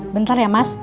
bentar ya mas